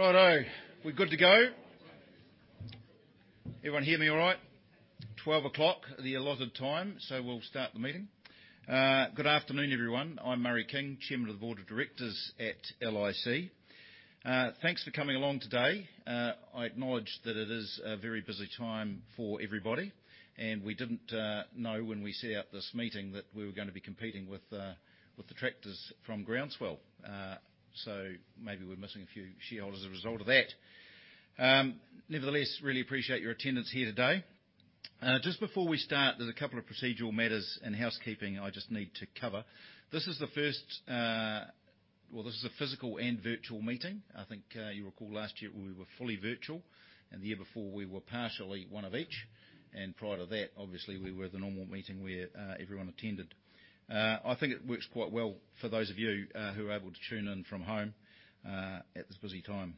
Right-o. We good to go? Everyone hear me all right? 12:00, the allotted time, so we'll start the meeting. Good afternoon, everyone. I'm Murray King, Chairman of the board of directors at LIC. Thanks for coming along today. I acknowledge that it is a very busy time for everybody, and we didn't know when we set up this meeting that we were gonna be competing with the tractors from Groundswell. So maybe we're missing a few shareholders as a result of that. Nevertheless, really appreciate your attendance here today. Just before we start, there's a couple of procedural matters and housekeeping I just need to cover. This is a physical and virtual meeting. I think you recall last year we were fully virtual, and the year before we were partially one of each, and prior to that, obviously, we were the normal meeting where everyone attended. I think it works quite well for those of you who are able to tune in from home at this busy time.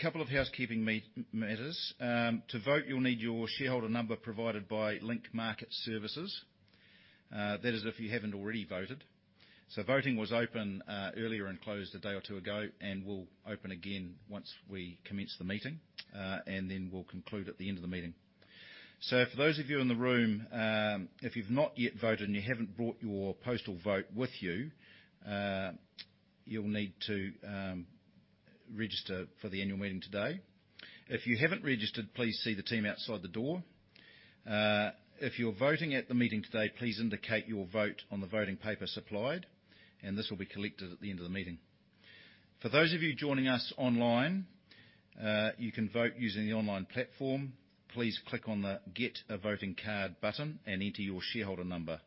Couple of housekeeping matters. To vote, you'll need your shareholder number provided by Link Market Services. That is if you haven't already voted. Voting was open earlier and closed a day or two ago and will open again once we commence the meeting and then will conclude at the end of the meeting. For those of you in the room, if you've not yet voted and you haven't brought your postal vote with you'll need to register for the annual meeting today. If you haven't registered, please see the team outside the door. If you're voting at the meeting today, please indicate your vote on the voting paper supplied, and this will be collected at the end of the meeting. For those of you joining us online, you can vote using the online platform. Please click on the Get a Voting Card button and enter your shareholder number,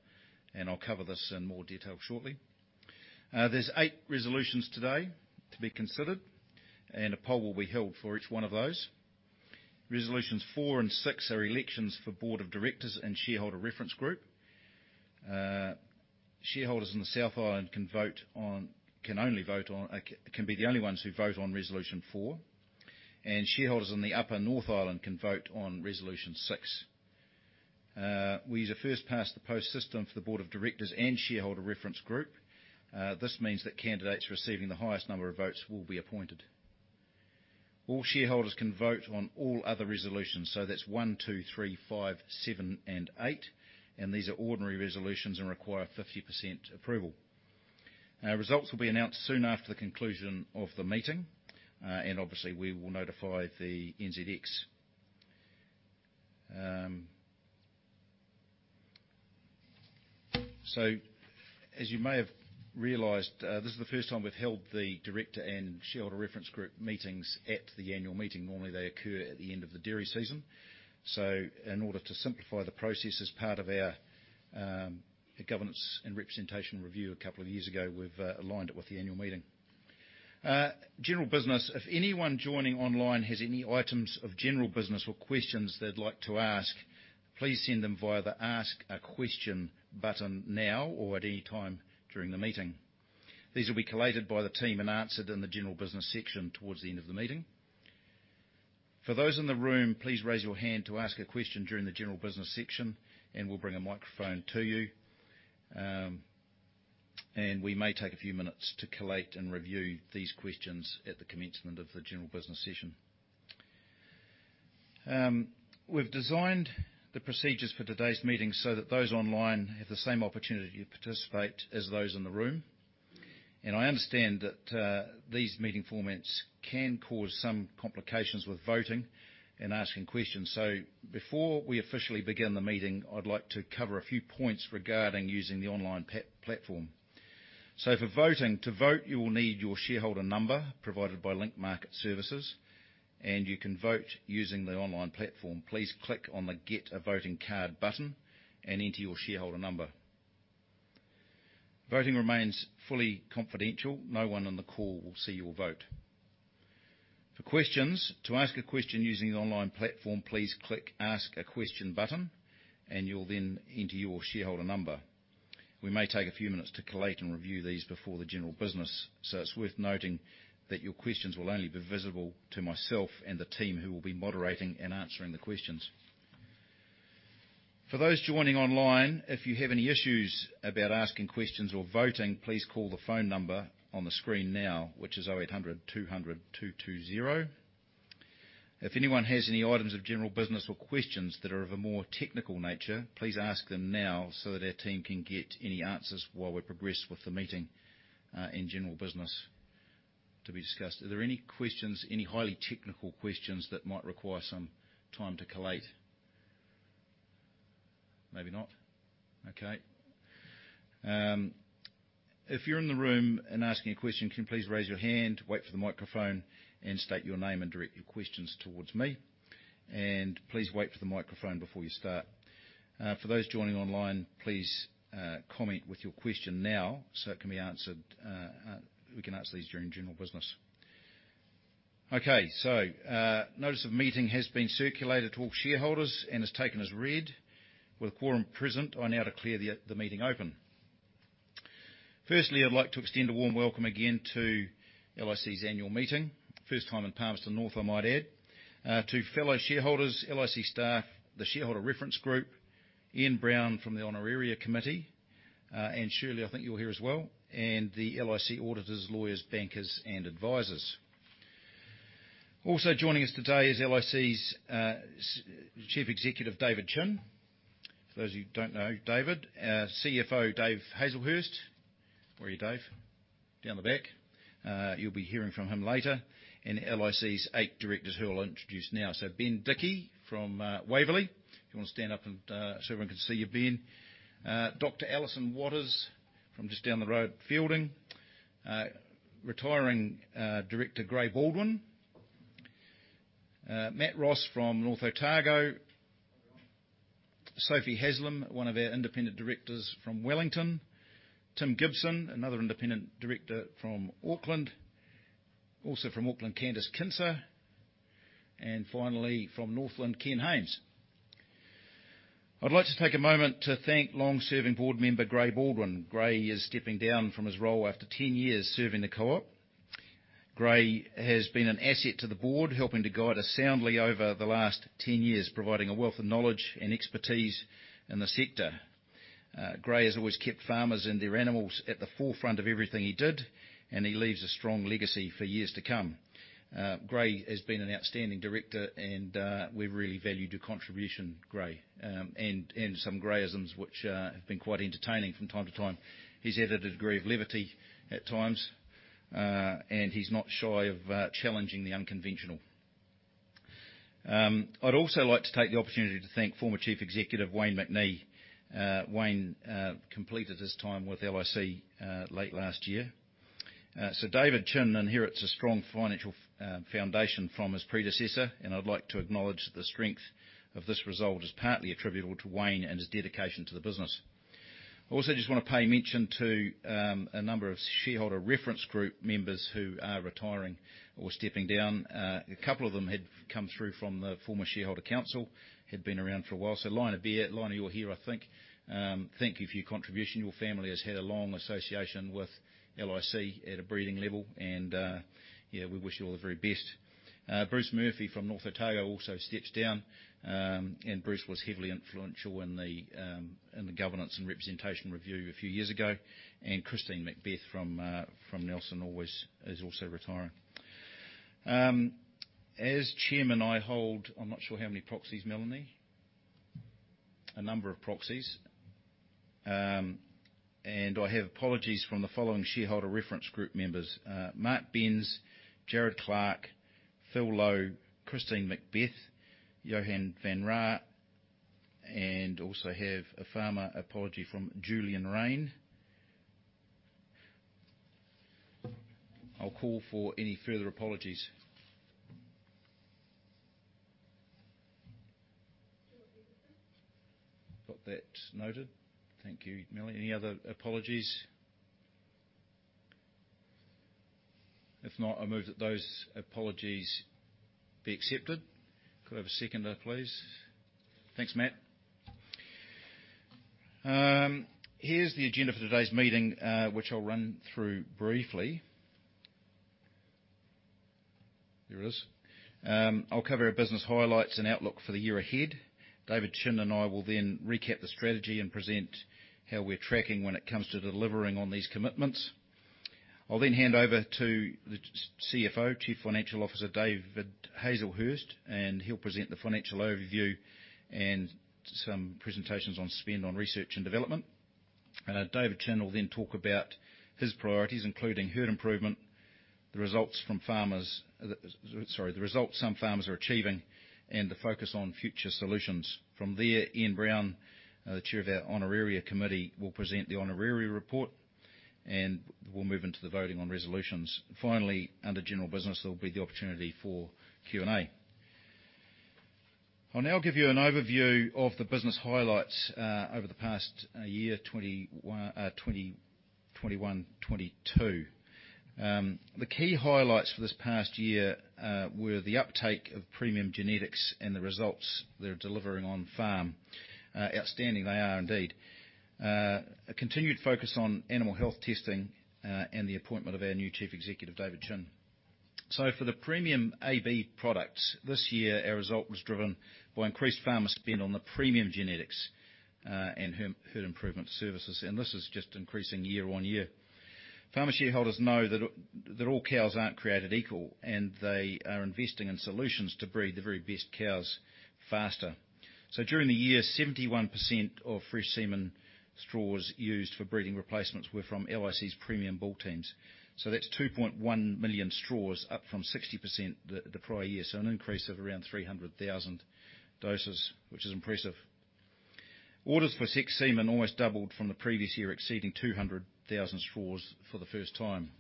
and I'll cover this in more detail shortly. There's eight resolutions today to be considered, and a poll will be held for each one of those. Resolutions four and six are elections for board of directors and Shareholder Reference Group. Shareholders in the South Island can be the only ones who vote on resolution four, and shareholders in the Upper North Island can vote on resolution six. We use a first-past-the-post system for the Board of Directors and Shareholder Reference Group. This means that candidates receiving the highest number of votes will be appointed. All shareholders can vote on all other resolutions, so that's one, two, three, five, seven, and eight, and these are ordinary resolutions and require 50% approval. Results will be announced soon after the conclusion of the meeting, and obviously, we will notify the NZX. As you may have realized, this is the first time we've held the director and Shareholder Reference Group meetings at the annual meeting. Normally, they occur at the end of the dairy season. In order to simplify the process as part of our governance and representation review a couple of years ago, we've aligned it with the annual meeting. General business. If anyone joining online has any items of general business or questions they'd like to ask, please send them via the Ask a Question button now or at any time during the meeting. These will be collated by the team and answered in the general business section towards the end of the meeting. For those in the room, please raise your hand to ask a question during the general business section and we'll bring a microphone to you. And we may take a few minutes to collate and review these questions at the commencement of the general business session. We've designed the procedures for today's meeting so that those online have the same opportunity to participate as those in the room. I understand that these meeting formats can cause some complications with voting and asking questions. Before we officially begin the meeting, I'd like to cover a few points regarding using the online platform. For voting, to vote, you will need your shareholder number provided by Link Market Services, and you can vote using the online platform. Please click on the Get a Voting Card button and enter your shareholder number. Voting remains fully confidential. No one on the call will see your vote. For questions, to ask a question using the online platform, please click Ask a Question button, and you'll then enter your shareholder number. We may take a few minutes to collate and review these before the general business. It's worth noting that your questions will only be visible to myself and the team who will be moderating and answering the questions. For those joining online, if you have any issues about asking questions or voting, please call the phone number on the screen now, which is 800-200-220. If anyone has any items of general business or questions that are of a more technical nature, please ask them now so that our team can get any answers while we progress with the meeting, and general business to be discussed. Are there any questions, any highly technical questions that might require some time to collate? Maybe not. Okay. If you're in the room and asking a question, can you please raise your hand, wait for the microphone, and state your name and direct your questions towards me. Please wait for the microphone before you start. For those joining online, please comment with your question now so it can be answered, we can answer these during general business. Okay. Notice of meeting has been circulated to all shareholders and is taken as read. With a quorum present, I now declare the meeting open. Firstly, I'd like to extend a warm welcome again to LIC's annual meeting, first time in Palmerston North, I might add, to fellow shareholders, LIC staff, the shareholder reference group. Ian Brown from the Honoraria Committee. Andrea Blackie, I think you're here as well, and the LIC auditors, lawyers, bankers, and advisors. Also joining us today is LIC's Chief Executive, David Chin. For those of you who don't know David, our CFO, David Hazlehurst. Where are you, David? Down the back. You'll be hearing from him later. LIC's eight directors who I'll introduce now. Ben Dickie from Waverley. If you wanna stand up and so everyone can see you, Ben. Dr. Alison Watters from just down the road, Feilding. Retiring Director, Gray Baldwin. Matt Ross from North Otago. Hello. Sophie Haslem, one of our independent directors from Wellington. Tim Gibson, another independent director from Auckland. Also from Auckland, Candace Kinser. Finally, from Northland, Ken Hames. I'd like to take a moment to thank long-serving board member, Gray Baldwin. Gray is stepping down from his role after 10 years serving the co-op. Gray has been an asset to the board, helping to guide us soundly over the last 10 years, providing a wealth of knowledge and expertise in the sector. Gray has always kept farmers and their animals at the forefront of everything he did, and he leaves a strong legacy for years to come. Gray has been an outstanding director, and we've really valued your contribution, Gray. Some Grayisms which have been quite entertaining from time to time. He's had a degree of levity at times, and he's not shy of challenging the unconventional. I'd also like to take the opportunity to thank former Chief Executive Wayne McNee. Wayne completed his time with LIC late last year. David Chin inherits a strong financial foundation from his predecessor, and I'd like to acknowledge that the strength of this result is partly attributable to Wayne and his dedication to the business. I also just wanna pay mention to a number of Shareholder Reference Group members who are retiring or stepping down. A couple of them had come through from the former Shareholder Council, had been around for a while. Lina Beer. Lina, you're here, I think. Thank you for your contribution. Your family has had a long association with LIC at a breeding level, and yeah, we wish you all the very best. Bruce Murphy from North Otago also steps down. Bruce was heavily influential in the governance and representation review a few years ago. Christine MacBeth from Nelson always is also retiring. As Chairman, I'm not sure how many proxies, Melanie. A number of proxies. I have apologies from the following shareholder reference group members. Mark Benz, Gerard Clark, Phil Lowe, Christine MacBeth, Johann Van Raat, and also have a farmer apology from Julian Raine. I'll call for any further apologies. Jill Peterson. Got that noted. Thank you, Melanie. Any other apologies? If not, I move that those apologies be accepted. Could I have a seconder, please? Thanks, Matt. Here's the agenda for today's meeting, which I'll run through briefly. There it is. I'll cover our business highlights and outlook for the year ahead. David Chin and I will then recap the strategy and present how we're tracking when it comes to delivering on these commitments. I'll then hand over to the CFO, Chief Financial Officer, David Hazlehurst, and he'll present the financial overview and some presentations on spend on research and development. David Chin will then talk about his priorities, including herd improvement, the results some farmers are achieving and the focus on future solutions. From there, Ian Brown, the chair of our Honoraria Committee, will present the honoraria report, and we'll move into the voting on resolutions. Finally, under general business, there'll be the opportunity for Q&A. I'll now give you an overview of the business highlights over the past year, 2021-2022. The key highlights for this past year were the uptake of premium genetics and the results they're delivering on farm. Outstanding they are indeed. A continued focus on animal health testing and the appointment of our new Chief Executive, David Chin. For the premium AB products, this year our result was driven by increased farmer spend on the premium genetics and herd improvement services. This is just increasing year on year. Farmer shareholders know that all cows aren't created equal, and they are investing in solutions to breed the very best cows faster. During the year, 71% of fresh semen straws used for breeding replacements were from LIC's premium bull teams. That's 2.1 million straws up from 60% the prior year. An increase of around 300,000 doses, which is impressive. Orders for sexed semen almost doubled from the previous year, exceeding 200,000 straws for the first time.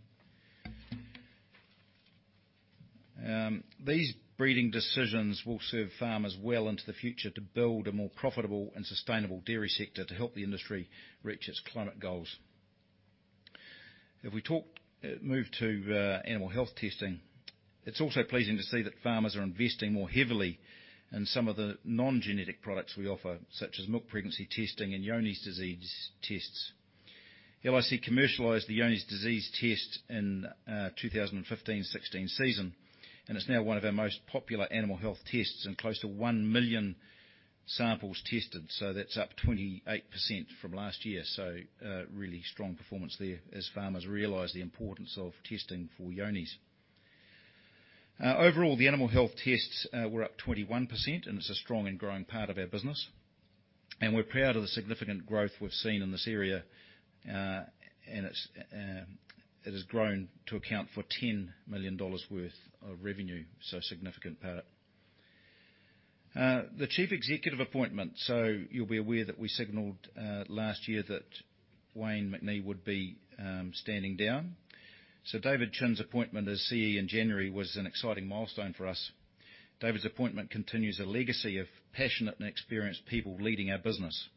These breeding decisions will serve farmers well into the future to build a more profitable and sustainable dairy sector to help the industry reach its climate goals. If we move to animal health testing, it's also pleasing to see that farmers are investing more heavily in some of the non-genetic products we offer, such as milk pregnancy testing and Johne's disease tests. LIC commercialized the Johne's disease test in 2015-16 season, and it's now one of our most popular animal health tests and close to 1 million samples tested. That's up 28% from last year. Really strong performance there as farmers realize the importance of testing for Johne's. Overall, the animal health tests were up 21%, and it's a strong and growing part of our business. We're proud of the significant growth we've seen in this area, and it has grown to account for 10 million dollars worth of revenue, so a significant part. The chief executive appointment. You'll be aware that we signaled last year that Wayne McNee would be standing down. David Chin's appointment as CEO in January was an exciting milestone for us. David's appointment continues a legacy of passionate and experienced people leading our business.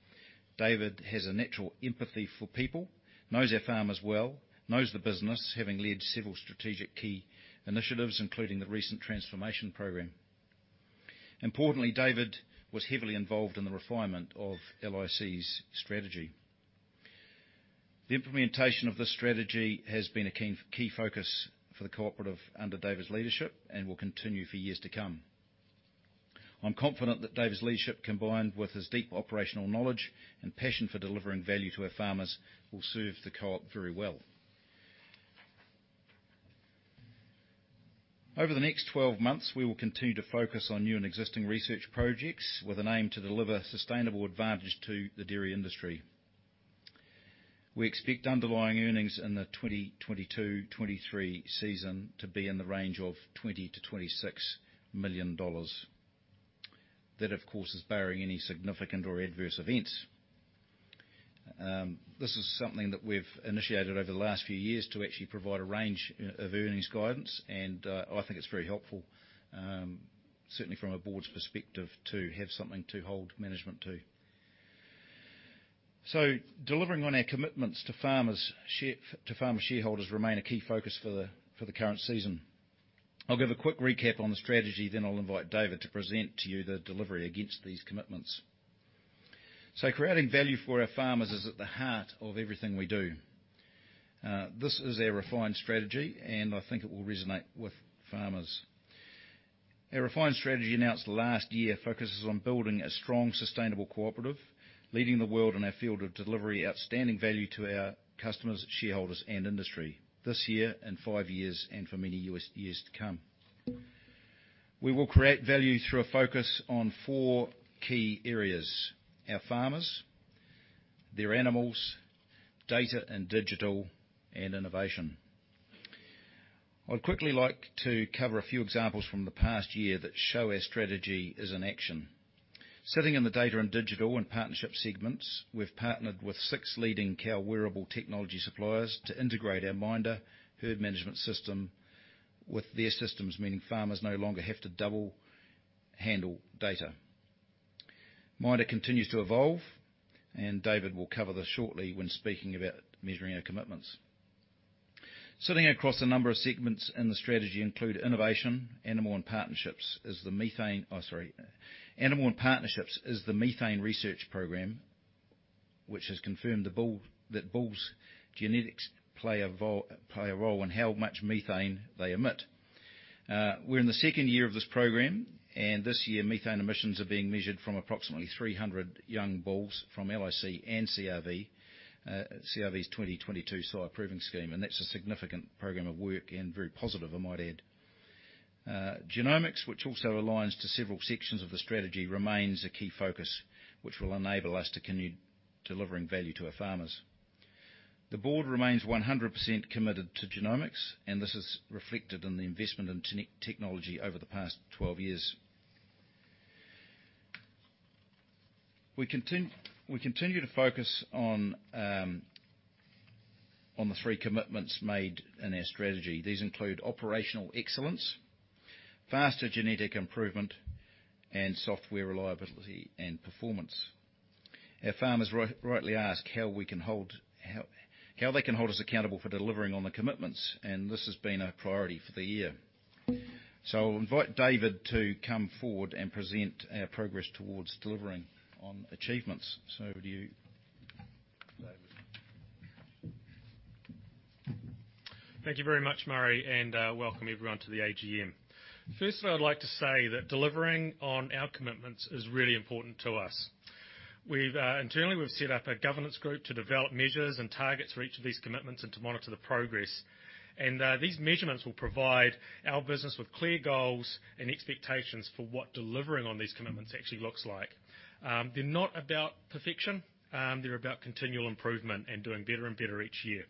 David has a natural empathy for people, knows our farmers well, knows the business, having led several strategic key initiatives, including the recent transformation program. Importantly, David was heavily involved in the refinement of LIC's strategy. The implementation of this strategy has been a key focus for the cooperative under David's leadership and will continue for years to come. I'm confident that David's leadership, combined with his deep operational knowledge and passion for delivering value to our farmers, will serve the co-op very well. Over the next 12 months, we will continue to focus on new and existing research projects with an aim to deliver sustainable advantage to the dairy industry. We expect underlying earnings in the 2022/2023 season to be in the range of 20-26 million dollars. That, of course, is barring any significant or adverse events. This is something that we've initiated over the last few years to actually provide a range of earnings guidance, and I think it's very helpful, certainly from a board's perspective, to have something to hold management to. Delivering on our commitments to farmer shareholders remains a key focus for the current season. I'll give a quick recap on the strategy, then I'll invite David to present to you the delivery against these commitments. Creating value for our farmers is at the heart of everything we do. This is our refined strategy, and I think it will resonate with farmers. Our refined strategy, announced last year, focuses on building a strong, sustainable cooperative, leading the world in our field, delivering outstanding value to our customers, shareholders, and industry this year and five years and for many years to come. We will create value through a focus on four key areas, our farmers, their animals, data and digital, and innovation. I'd quickly like to cover a few examples from the past year that show our strategy is in action. Sitting in the data and digital and partnership segments, we've partnered with six leading cow wearable technology suppliers to integrate our MINDA herd management system with their systems, meaning farmers no longer have to double handle data. MINDA continues to evolve, and David will cover this shortly when speaking about measuring our commitments. Sitting across a number of segments in the strategy, including innovation, animal and partnerships, is the methane research program, which has confirmed that bulls' genetics play a role in how much methane they emit. We're in the second year of this program, and this year, methane emissions are being measured from approximately 300 young bulls from LIC and CRV's 2022 sire proving scheme, and that's a significant program of work and very positive, I might add. Genomics, which also aligns to several sections of the strategy, remains a key focus which will enable us to continue delivering value to our farmers. The board remains 100% committed to genomics, and this is reflected in the investment in technology over the past 12 years. We continue to focus on the three commitments made in our strategy. These include operational excellence, faster genetic improvement, and software reliability and performance. Our farmers rightly ask how they can hold us accountable for delivering on the commitments, and this has been our priority for the year. I'll invite David to come forward and present our progress towards delivering on achievements. Do you, David? Thank you very much, Murray, and welcome everyone to the AGM. First of all, I'd like to say that delivering on our commitments is really important to us. We've internally set up a governance group to develop measures and targets for each of these commitments and to monitor the progress. These measurements will provide our business with clear goals and expectations for what delivering on these commitments actually looks like. They're not about perfection, they're about continual improvement and doing better and better each year.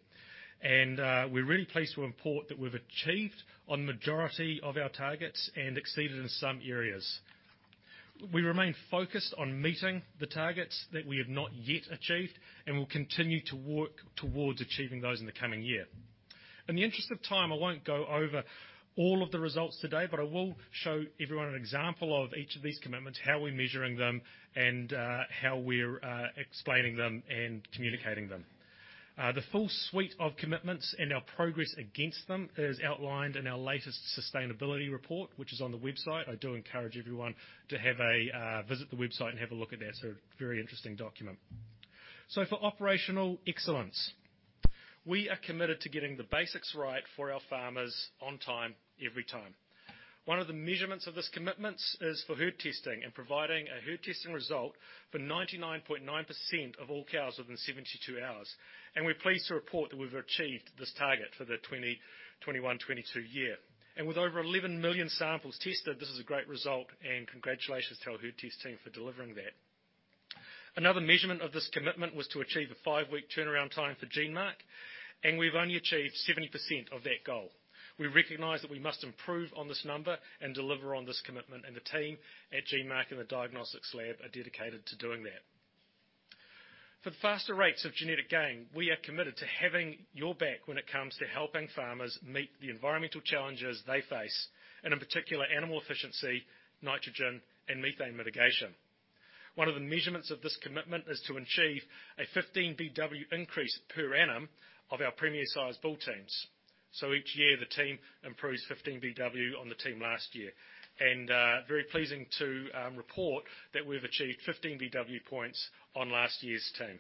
We're really pleased to report that we've achieved the majority of our targets and exceeded in some areas. We remain focused on meeting the targets that we have not yet achieved and will continue to work towards achieving those in the coming year. In the interest of time, I won't go over all of the results today, but I will show everyone an example of each of these commitments, how we're measuring them, and how we're explaining them and communicating them. The full suite of commitments and our progress against them is outlined in our latest sustainability report, which is on the website. I do encourage everyone to have a visit the website and have a look at that. Very interesting document. For operational excellence. We are committed to getting the basics right for our farmers on time, every time. One of the measurements of this commitment is for herd testing and providing a herd testing result for 99.9% of all cows within 72 hours, and we're pleased to report that we've achieved this target for the 2022/2021 year. With over 11 million samples tested, this is a great result, and congratulations to our herd test team for delivering that. Another measurement of this commitment was to achieve a five-week turnaround time for GeneMark, and we've only achieved 70% of that goal. We recognize that we must improve on this number and deliver on this commitment, and the team at GeneMark and the diagnostics lab are dedicated to doing that. For faster rates of genetic gain, we are committed to having your back when it comes to helping farmers meet the environmental challenges they face, and in particular, animal efficiency, nitrogen, and methane mitigation. One of the measurements of this commitment is to achieve a 15 BW increase per annum of our Premier Sires bull teams. Each year, the team improves 15 BW on the team last year. Very pleasing to report that we've achieved 15 BW points on last year's team.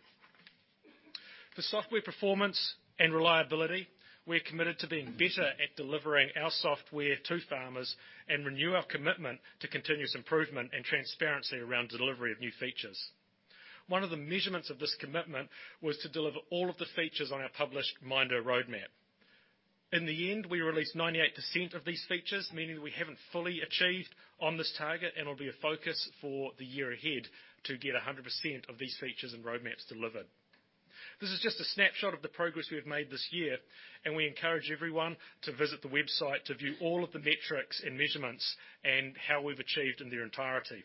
For software performance and reliability, we're committed to being better at delivering our software to farmers and renew our commitment to continuous improvement and transparency around delivery of new features. One of the measurements of this commitment was to deliver all of the features on our published MINDA roadmap. In the end, we released 98% of these features, meaning we haven't fully achieved on this target and will be a focus for the year ahead to get 100% of these features and roadmaps delivered. This is just a snapshot of the progress we have made this year, and we encourage everyone to visit the website to view all of the metrics and measurements and how we've achieved in their entirety.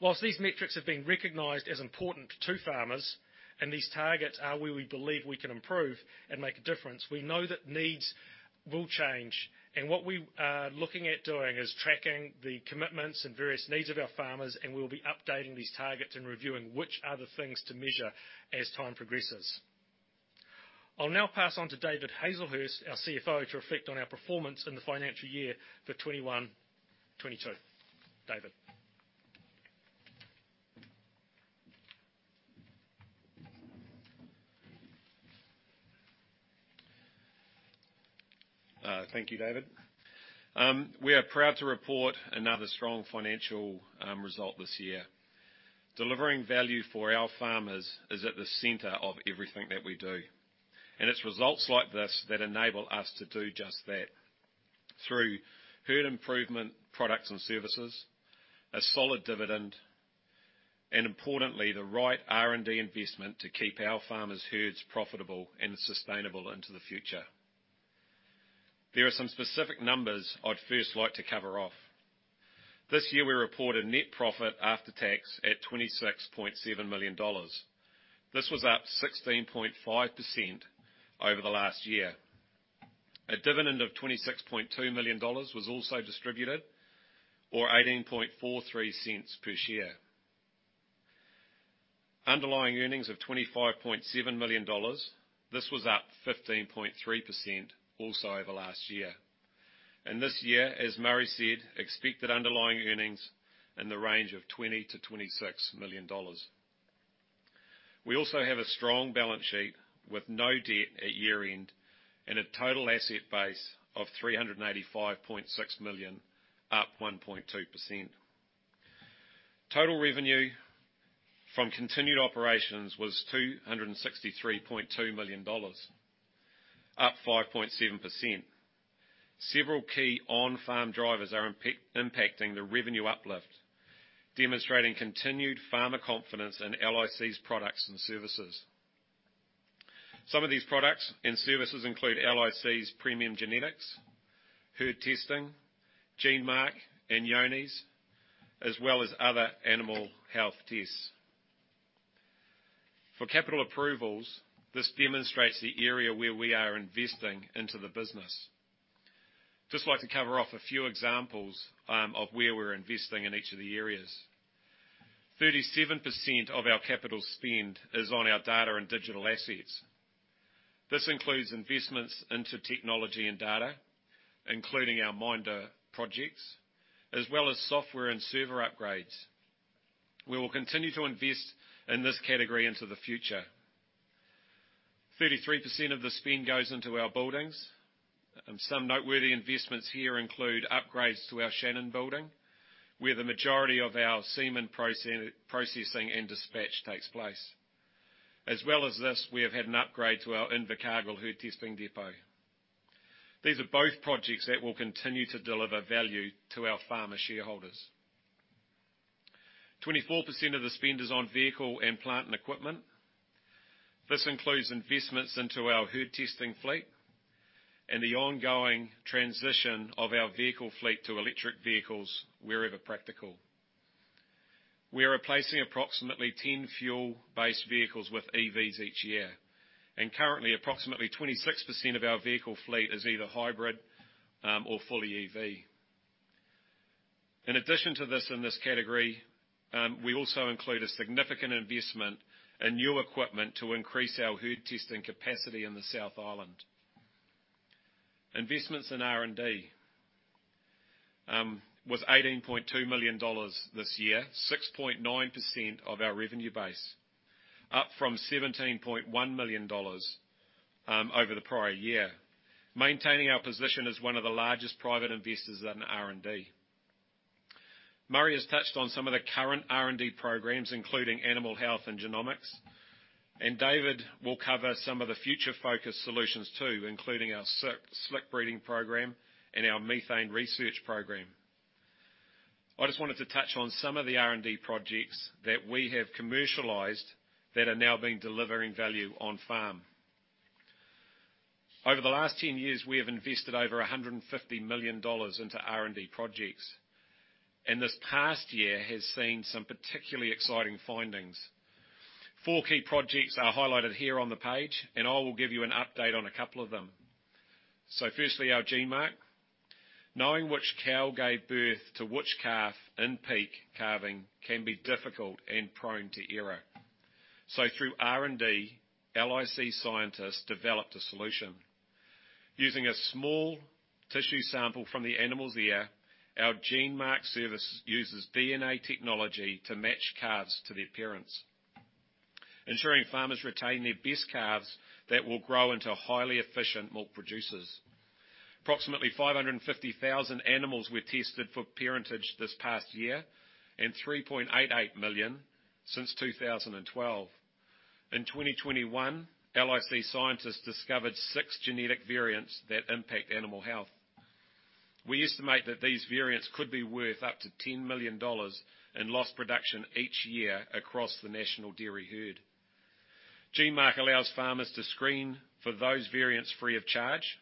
While these metrics have been recognized as important to farmers, and these targets are where we believe we can improve and make a difference, we know that needs will change. What we are looking at doing is tracking the commitments and various needs of our farmers, and we'll be updating these targets and reviewing which are the things to measure as time progresses. I'll now pass on to David Hazlehurst, our CFO, to reflect on our performance in the financial year for 21/22. David. Thank you, David. We are proud to report another strong financial result this year. Delivering value for our farmers is at the center of everything that we do, and it's results like this that enable us to do just that through herd improvement products and services, a solid dividend, and importantly, the right R&D investment to keep our farmers' herds profitable and sustainable into the future. There are some specific numbers I'd first like to cover off. This year, we reported net profit after tax at 26.7 million dollars. This was up 16.5% over the last year. A dividend of NZD 26.2 million was also distributed of 0.1843 per share. Underlying earnings of NZD 25.7 million, this was up 15.3% also over last year. This year, as Murray said, expected underlying earnings in the range of NZD 20 million-NZD 26 million. We also have a strong balance sheet with no debt at year-end and a total asset base of 385.6 million, up 1.2%. Total revenue from continued operations was 263.2 million dollars, up 5.7%. Several key on-farm drivers are impacting the revenue uplift, demonstrating continued farmer confidence in LIC's products and services. Some of these products and services include LIC's premium genetics, herd testing, GeneMark, and Johne's, as well as other animal health tests. For capital approvals, this demonstrates the area where we are investing into the business. Just like to cover off a few examples of where we're investing in each of the areas. 37% of our capital spend is on our data and digital assets. This includes investments into technology and data, including our MINDA projects, as well as software and server upgrades. We will continue to invest in this category into the future. 33% of the spend goes into our buildings. Some noteworthy investments here include upgrades to our Shannon building, where the majority of our semen processing and dispatch takes place. As well as this, we have had an upgrade to our Invercargill herd testing depot. These are both projects that will continue to deliver value to our farmer shareholders. 24% of the spend is on vehicle and plant and equipment. This includes investments into our herd testing fleet and the ongoing transition of our vehicle fleet to electric vehicles wherever practical. We are replacing approximately 10 fuel-based vehicles with EVs each year, and currently, approximately 26% of our vehicle fleet is either hybrid or fully EV. In addition to this in this category, we also include a significant investment in new equipment to increase our herd testing capacity in the South Island. Investments in R&D was 18.2 million dollars this year, 6.9% of our revenue base, up from 17.1 million dollars over the prior year, maintaining our position as one of the largest private investors in R&D. Murray has touched on some of the current R&D programs, including animal health and genomics, and David will cover some of the future-focused solutions, too, including our slick breeding program and our methane research program. I just wanted to touch on some of the R&D projects that we have commercialized that are now being delivering value on-farm. Over the last 10 years, we have invested over 150 million dollars into R&D projects. This past year has seen some particularly exciting findings. Four key projects are highlighted here on the page, and I will give you an update on a couple of them. Firstly, our GeneMark. Knowing which cow gave birth to which calf in peak calving can be difficult and prone to error. Through R&D, LIC scientists developed a solution. Using a small tissue sample from the animal's ear, our GeneMark service uses DNA technology to match calves to their parents, ensuring farmers retain their best calves that will grow into highly efficient milk producers. Approximately 550,000 animals were tested for parentage this past year, and 3.88 million since 2012. In 2021, LIC scientists discovered six genetic variants that impact animal health. We estimate that these variants could be worth up to 10 million dollars in lost production each year across the national dairy herd. GeneMark allows farmers to screen for those variants free of charge,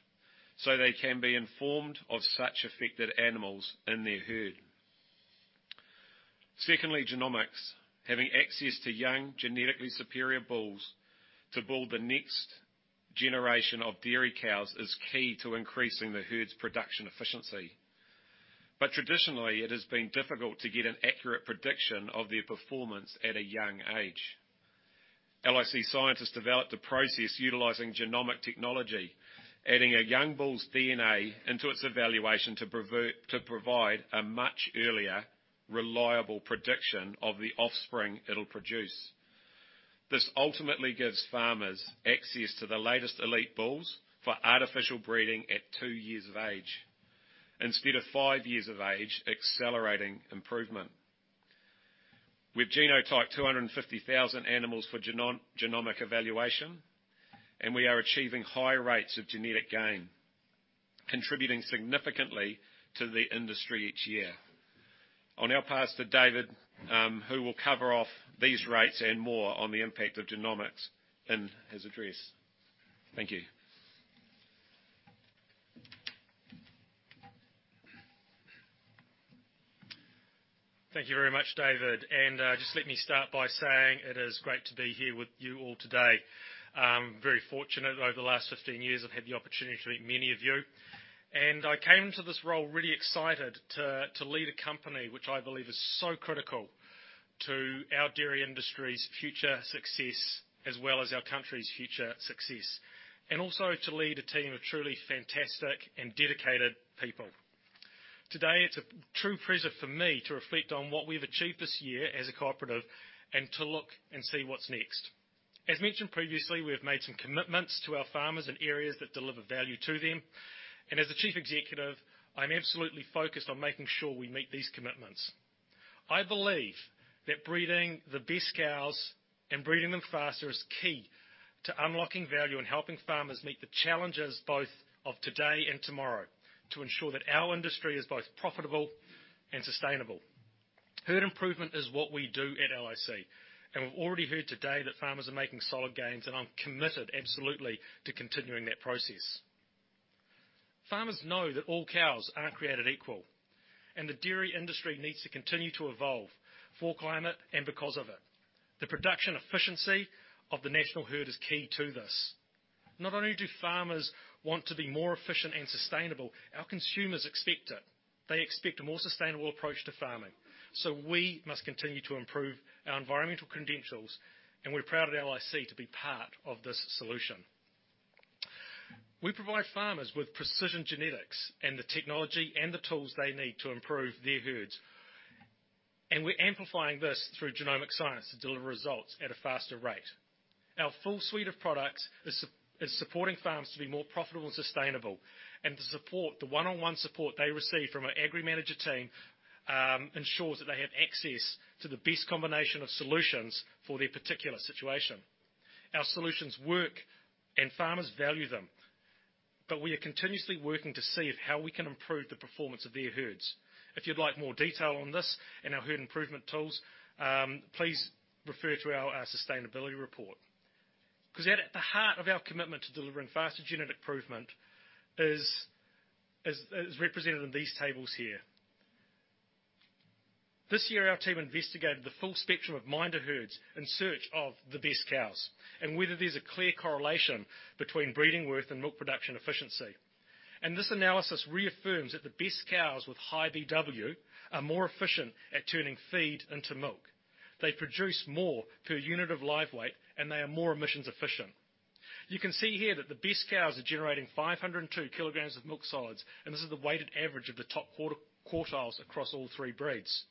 so they can be informed of such affected animals in their herd. Secondly, genomics. Having access to young, genetically superior bulls to build the next generation of dairy cows is key to increasing the herd's production efficiency. Traditionally, it has been difficult to get an accurate prediction of their performance at a young age. LIC scientists developed a process utilizing genomic technology, adding a young bull's DNA into its evaluation to provide a much earlier, reliable prediction of the offspring it'll produce. This ultimately gives farmers access to the latest elite bulls for artificial breeding at two years of age instead of five years of age, accelerating improvement. We've genotyped 250,000 animals for genomic evaluation, and we are achieving high rates of genetic gain, contributing significantly to the industry each year. I'll now pass to David, who will cover off these rates and more on the impact of genomics in his address. Thank you. Thank you very much, David. Just let me start by saying it is great to be here with you all today. Very fortunate. Over the last 15 years, I've had the opportunity to meet many of you. I came to this role really excited to lead a company which I believe is so critical to our dairy industry's future success, as well as our country's future success, and also to lead a team of truly fantastic and dedicated people. Today, it's a true pleasure for me to reflect on what we've achieved this year as a cooperative and to look and see what's next. As mentioned previously, we have made some commitments to our farmers in areas that deliver value to them, and as the Chief Executive, I'm absolutely focused on making sure we meet these commitments. I believe that breeding the best cows and breeding them faster is key to unlocking value and helping farmers meet the challenges both of today and tomorrow to ensure that our industry is both profitable and sustainable. Herd improvement is what we do at LIC, and we've already heard today that farmers are making solid gains, and I'm committed absolutely to continuing that process. Farmers know that all cows aren't created equal, and the dairy industry needs to continue to evolve for climate and because of it. The production efficiency of the national herd is key to this. Not only do farmers want to be more efficient and sustainable, our consumers expect it. They expect a more sustainable approach to farming, so we must continue to improve our environmental credentials, and we're proud at LIC to be part of this solution. We provide farmers with precision genetics and the technology and the tools they need to improve their herds, and we're amplifying this through genomic science to deliver results at a faster rate. Our full suite of products is supporting farms to be more profitable and sustainable. The support, the one-on-one support they receive from our AgriManager team, ensures that they have access to the best combination of solutions for their particular situation. Our solutions work and farmers value them, but we are continuously working to see how we can improve the performance of their herds. If you'd like more detail on this and our herd improvement tools, please refer to our sustainability report. 'Cause at the heart of our commitment to delivering faster genetic improvement is represented in these tables here. This year, our team investigated the full spectrum of MINDA herds in search of the best cows and whether there's a clear correlation between Breeding Worth and milk production efficiency. This analysis reaffirms that the best cows with high BW are more efficient at turning feed into milk. They produce more per unit of live weight, and they are more emissions efficient. You can see here that the best cows are generating 502 kilograms of milk solids, and this is the weighted average of the top quarter-quartiles across all three breeds.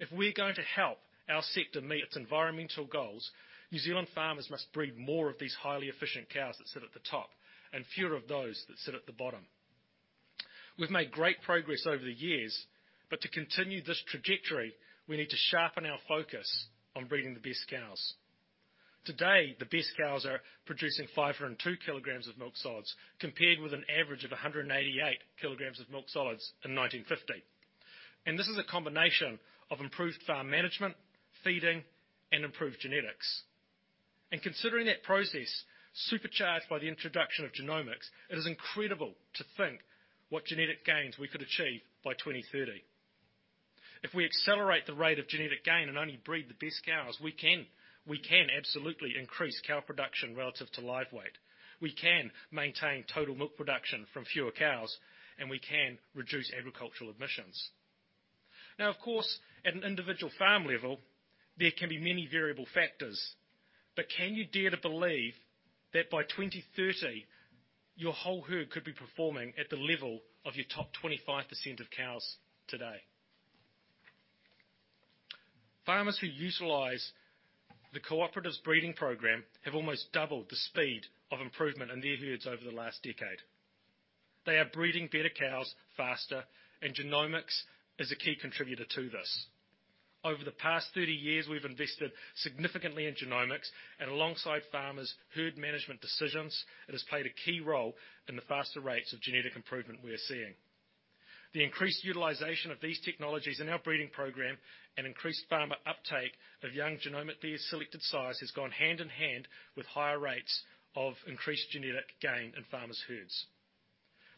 If we're going to help our sector meet its environmental goals, New Zealand farmers must breed more of these highly efficient cows that sit at the top and fewer of those that sit at the bottom. We've made great progress over the years, but to continue this trajectory, we need to sharpen our focus on breeding the best cows. Today, the best cows are producing 502 kilograms of milk solids, compared with an average of 188 kilograms of milk solids in 1950. This is a combination of improved farm management, feeding, and improved genetics. Considering that process, supercharged by the introduction of genomics, it is incredible to think what genetic gains we could achieve by 2030. If we accelerate the rate of genetic gain and only breed the best cows, we can absolutely increase cow production relative to live weight. We can maintain total milk production from fewer cows, and we can reduce agricultural emissions. Now, of course, at an individual farm level, there can be many variable factors. Can you dare to believe that by 2030, your whole herd could be performing at the level of your top 25% of cows today? Farmers who utilize the cooperative's breeding program have almost doubled the speed of improvement in their herds over the last decade. They are breeding better cows faster, and genomics is a key contributor to this. Over the past 30 years, we've invested significantly in genomics, and alongside farmers' herd management decisions, it has played a key role in the faster rates of genetic improvement we're seeing. The increased utilization of these technologies in our breeding program and increased farmer uptake of young genomic dairy selected sires has gone hand-in-hand with higher rates of increased genetic gain in farmers' herds.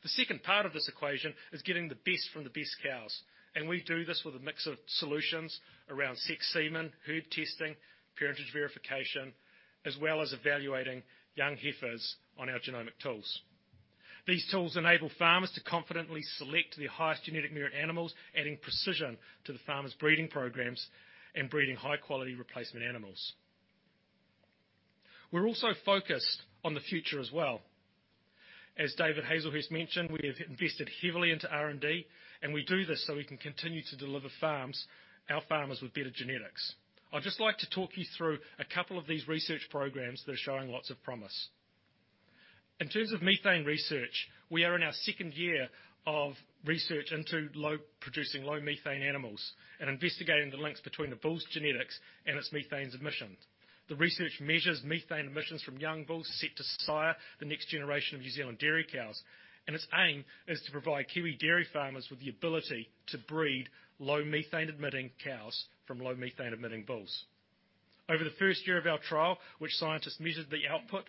The second part of this equation is getting the best from the best cows, and we do this with a mix of solutions around sexed semen, herd testing, parentage verification, as well as evaluating young heifers on our genomic tools. These tools enable farmers to confidently select their highest genetic merit animals, adding precision to the farmers' breeding programs and breeding high-quality replacement animals. We're also focused on the future as well. As David Hazlehurst mentioned, we have invested heavily into R&D, and we do this so we can continue to deliver to our farmers with better genetics. I'd just like to talk you through a couple of these research programs that are showing lots of promise. In terms of methane research, we are in our second year of research into producing low-methane animals and investigating the links between the bull's genetics and its methane emissions. The research measures methane emissions from young bulls set to sire the next generation of New Zealand dairy cows, and its aim is to provide Kiwi dairy farmers with the ability to breed low methane-emitting cows from low methane-emitting bulls. Over the first year of our trial, which scientists measured the output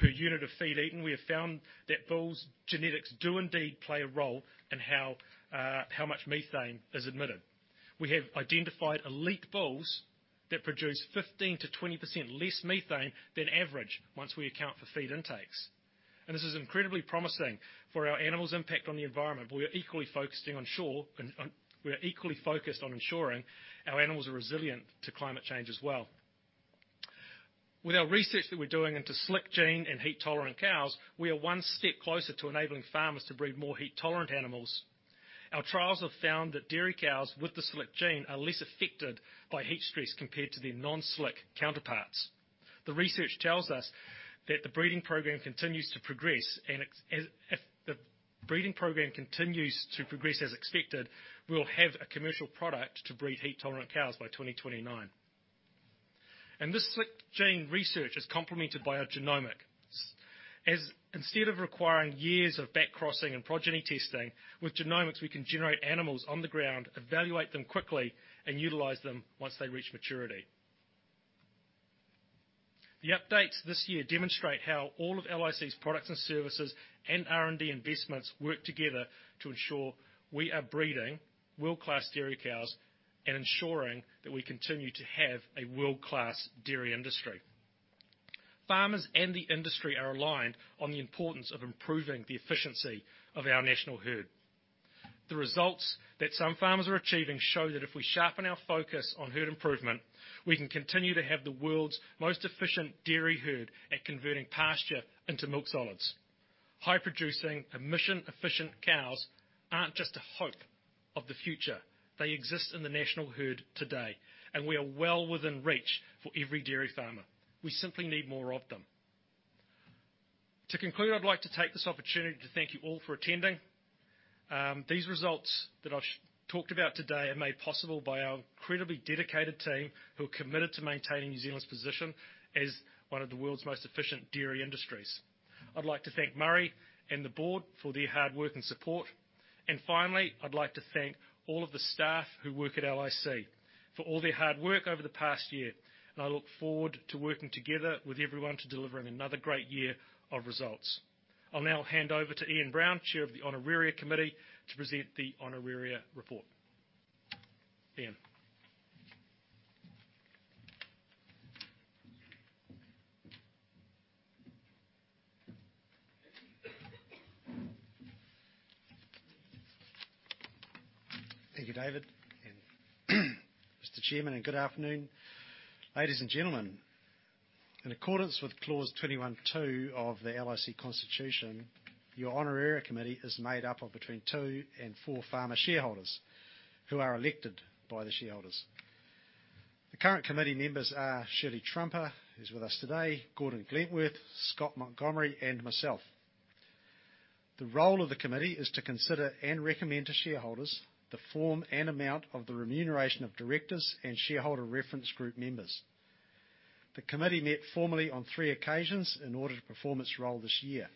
per unit of feed eaten, we have found that bulls' genetics do indeed play a role in how much methane is emitted. We have identified elite bulls that produce 15%-20% less methane than average once we account for feed intakes. This is incredibly promising for our animals' impact on the environment, but we are equally focused on ensuring our animals are resilient to climate change as well. With our research that we're doing into slick gene and heat-tolerant cows, we are one step closer to enabling farmers to breed more heat-tolerant animals. Our trials have found that dairy cows with the slick gene are less affected by heat stress compared to their non-slick counterparts. The research tells us that the breeding program continues to progress, and if the breeding program continues to progress as expected, we'll have a commercial product to breed heat-tolerant cows by 2029. This slick gene research is complemented by our genomics. Instead of requiring years of back-crossing and progeny testing, with genomics, we can generate animals on the ground, evaluate them quickly, and utilize them once they reach maturity. The updates this year demonstrate how all of LIC's products and services and R&D investments work together to ensure we are breeding world-class dairy cows and ensuring that we continue to have a world-class dairy industry. Farmers and the industry are aligned on the importance of improving the efficiency of our national herd. The results that some farmers are achieving show that if we sharpen our focus on herd improvement, we can continue to have the world's most efficient dairy herd at converting pasture into milk solids. High-producing emission-efficient cows aren't just a hope of the future. They exist in the national herd today, and we are well within reach for every dairy farmer. We simply need more of them. To conclude, I'd like to take this opportunity to thank you all for attending. These results that I've talked about today are made possible by our incredibly dedicated team who are committed to maintaining New Zealand's position as one of the world's most efficient dairy industries. I'd like to thank Murray and the board for their hard work and support. Finally, I'd like to thank all of the staff who work at LIC for all their hard work over the past year, and I look forward to working together with everyone to delivering another great year of results. I'll now hand over to Ian Brown, Chair of the Honoraria Committee, to present the Honoraria report. Ian. Thank you, David. Mr. Chairman, and good afternoon. Ladies and gentlemen, in accordance with Clause 21.2 of the LIC constitution, your Honoraria Committee is made up of between two and four farmer shareholders who are elected by the shareholders. The current committee members are Shirley Trumper, who's with us today, Gordon Glentworth, Scott Montgomery, and myself. The role of the committee is to consider and recommend to shareholders the form and amount of the remuneration of directors and Shareholder Reference Group members. The committee met formally on three occasions in order to perform its role this year.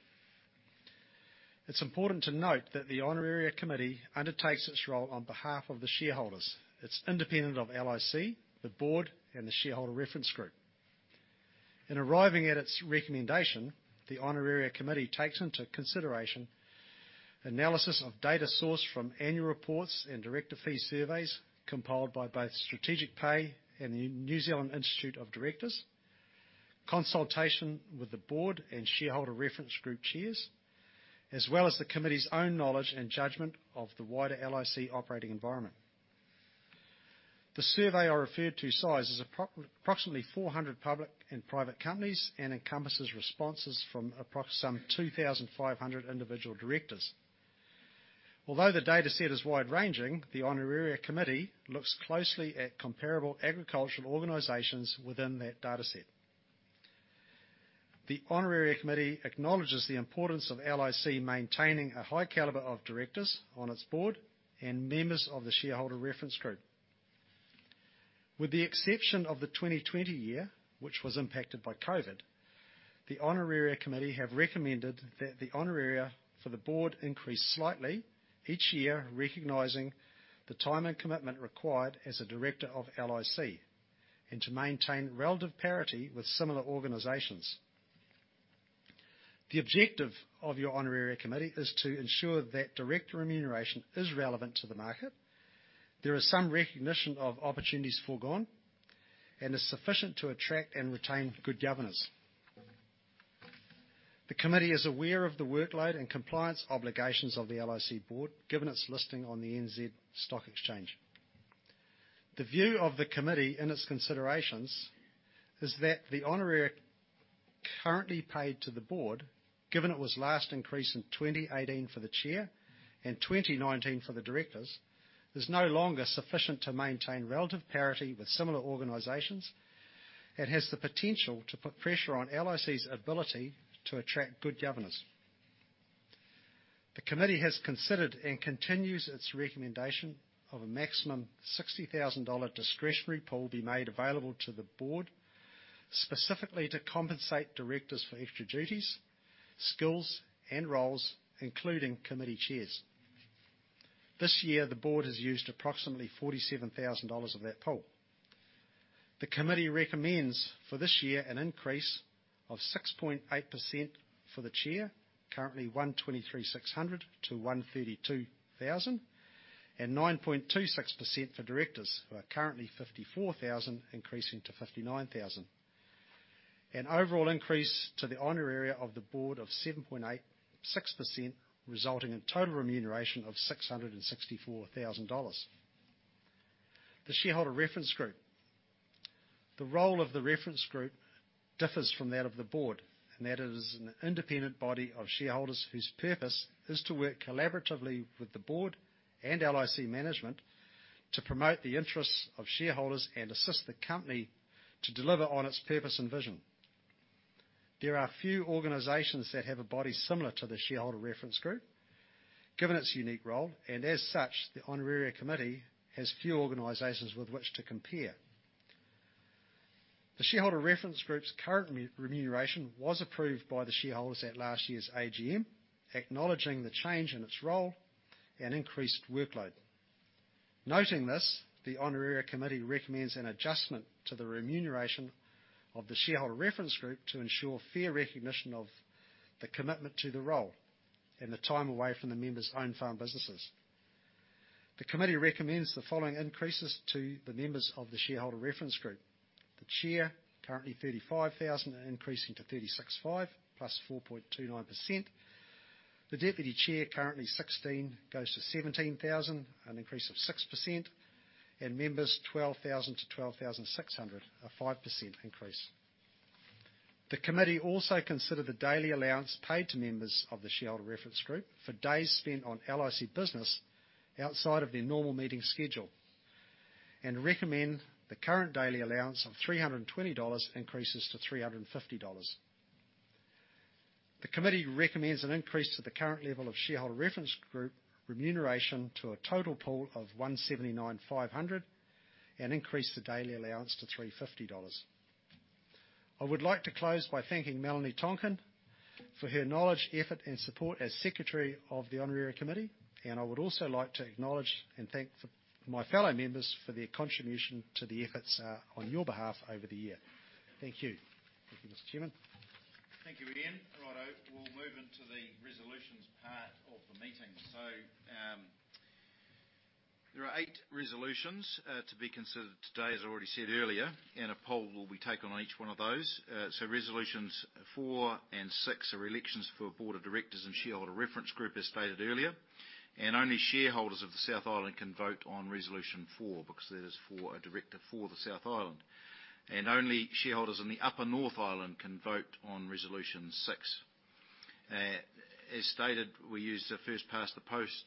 It's important to note that the Honoraria Committee undertakes its role on behalf of the shareholders. It's independent of LIC, the board, and the Shareholder Reference Group. In arriving at its recommendation, the Honoraria Committee takes into consideration analysis of data sourced from annual reports and director fee surveys compiled by both Strategic Pay and the Institute of Directors in New Zealand, consultation with the board and shareholder reference group chairs, as well as the committee's own knowledge and judgment of the wider LIC operating environment. The survey I referred to sizes approximately 400 public and private companies and encompasses responses from some 2,500 individual directors. Although the dataset is wide-ranging, the Honoraria Committee looks closely at comparable agricultural organizations within that dataset. The Honoraria Committee acknowledges the importance of LIC maintaining a high caliber of directors on its board and members of the shareholder reference group. With the exception of the 2020 year, which was impacted by COVID, the Honoraria Committee have recommended that the honoraria for the board increase slightly each year, recognizing the time and commitment required as a director of LIC and to maintain relative parity with similar organizations. The objective of your Honoraria Committee is to ensure that director remuneration is relevant to the market, there is some recognition of opportunities forgone, and is sufficient to attract and retain good governors. The committee is aware of the workload and compliance obligations of the LIC board, given its listing on the NZX. The view of the committee in its considerations is that the honoraria currently paid to the board, given it was last increased in 2018 for the chair and 2019 for the directors, is no longer sufficient to maintain relative parity with similar organizations. It has the potential to put pressure on LIC's ability to attract good governors. The committee has considered and continues its recommendation of a maximum 60,000 dollar discretionary pool be made available to the board, specifically to compensate directors for extra duties, skills, and roles, including committee chairs. This year, the board has used approximately 47,000 dollars of that pool. The committee recommends for this year an increase of 6.8% for the chair, currently 123,600 to 132,000, and 9.26% for directors, who are currently 54,000, increasing to 59,000. An overall increase to the honoraria of the board of 7.86%, resulting in total remuneration of 664,000 dollars. The shareholder reference group. The role of the reference group differs from that of the board, and that it is an independent body of shareholders whose purpose is to work collaboratively with the board and LIC management to promote the interests of shareholders and assist the company to deliver on its purpose and vision. There are few organizations that have a body similar to the Shareholder Reference Group, given its unique role, and as such, the Honoraria Committee has few organizations with which to compare. The Shareholder Reference Group's current remuneration was approved by the shareholders at last year's AGM, acknowledging the change in its role and increased workload. Noting this, the Honoraria Committee recommends an adjustment to the remuneration of the Shareholder Reference Group to ensure fair recognition of the commitment to the role and the time away from the members' own farm businesses. The committee recommends the following increases to the members of the shareholder reference group. The chair, currently 35,000, increasing to 36,500, plus 4.29%. The deputy chair, currently 16,000, goes to 17,000, an increase of 6%. Members, 12,000-2,600, a 5% increase. The committee also considered the daily allowance paid to members of the shareholder reference group for days spent on LIC business outside of their normal meeting schedule and recommend the current daily allowance of 320 dollars increases to 350 dollars. The committee recommends an increase to the current level of shareholder reference group remuneration to a total pool of 179,500, and increase the daily allowance to 350 dollars. I would like to close by thanking Melanie Tonkin for her knowledge, effort, and support as secretary of the Honoraria Committee. I would also like to acknowledge and thank my fellow members for their contribution to the efforts on your behalf over the year. Thank you. Thank you, Mr. Chairman. Thank you, Ian. Righto. We'll move into the resolutions part of the meeting. There are eight resolutions to be considered today, as I already said earlier, and a poll will be taken on each one of those. Resolutions four and six are elections for board of directors and Shareholder Reference Group, as stated earlier. Only shareholders of the South Island can vote on resolution four because that is for a director for the South Island. Only shareholders in the Upper North Island can vote on resolution six. As stated, we use a first-past-the-post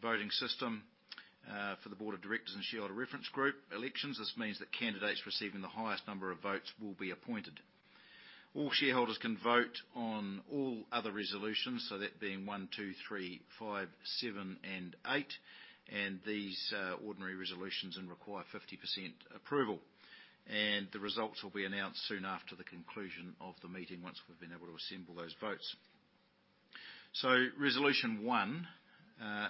voting system for the board of directors and Shareholder Reference Group elections. This means that candidates receiving the highest number of votes will be appointed. All shareholders can vote on all other resolutions, so that being one, two, three, five, seven, and eight. These ordinary resolutions then require 50% approval. The results will be announced soon after the conclusion of the meeting once we've been able to assemble those votes. Resolution one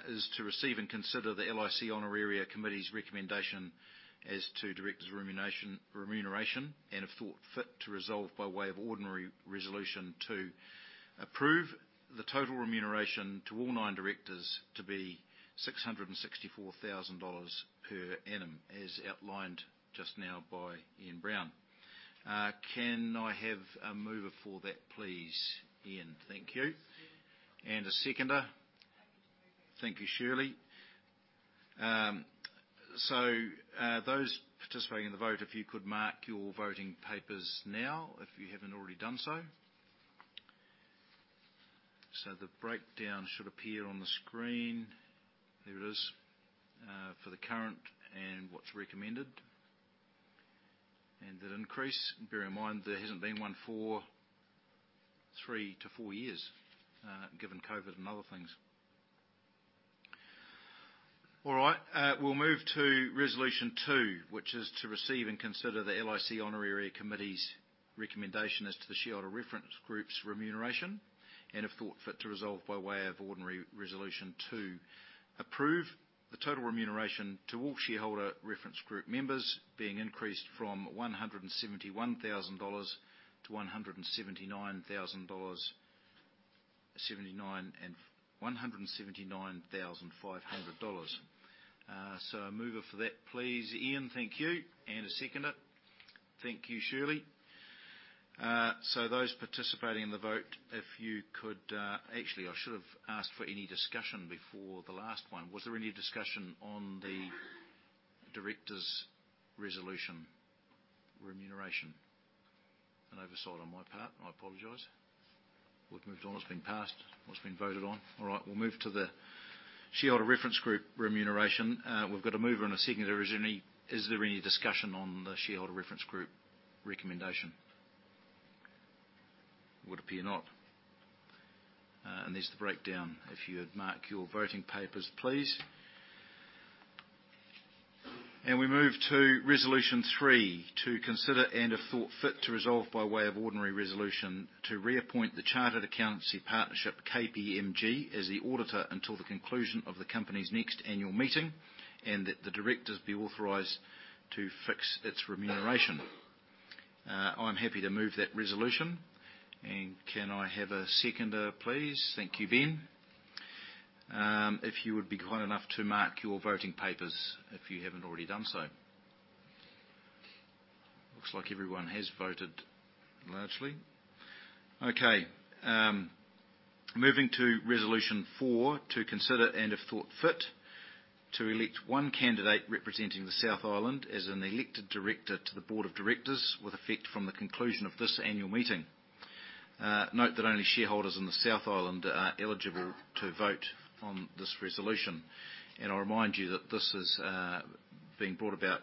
is to receive and consider the LIC Honoraria Committee's recommendation as to directors remuneration, and if thought fit to resolve by way of ordinary resolution to approve the total remuneration to all 9 directors to be 664,000 dollars per annum, as outlined just now by Ian Brown. Can I have a mover for that, please? Ian, thank you. Ian. a seconder? Shirley. Thank you, Shirley. Those participating in the vote, if you could mark your voting papers now, if you haven't already done so. The breakdown should appear on the screen. There it is, for the current and what's recommended. That increase, bear in mind, there hasn't been one for three-four years, given COVID and other things. All right, we'll move to resolution two, which is to receive and consider the LIC Honoraria Committee's recommendation as to the shareholder reference group's remuneration, and if thought fit to resolve by way of ordinary resolution to approve the total remuneration to all shareholder reference group members being increased from NZD 171,000 to 179,500 dollars. A mover for that, please. Ian, thank you. A seconder? Thank you, Shirley. Those participating in the vote, if you could. Actually, I should have asked for any discussion before the last one. Was there any discussion on the director's resolution remuneration? An oversight on my part, I apologize. We've moved on. It's been passed. What's been voted on. All right. We'll move to the shareholder reference group remuneration. We've got a mover and a seconder. Is there any discussion on the shareholder reference group recommendation? Would appear not. There's the breakdown if you would mark your voting papers, please. We move to resolution three. To consider and, if thought fit, to resolve by way of ordinary resolution to reappoint the chartered accountancy partnership, KPMG, as the auditor until the conclusion of the company's next annual meeting, and that the directors be authorized to fix its remuneration. I'm happy to move that resolution. Can I have a seconder, please? Thank you, Ben. If you would be kind enough to mark your voting papers if you haven't already done so. Looks like everyone has voted largely. Moving to resolution four. To consider and, if thought fit, to elect one candidate representing the South Island as an elected director to the board of directors with effect from the conclusion of this annual meeting. Note that only shareholders in the South Island are eligible to vote on this resolution. I'll remind you that this is being brought about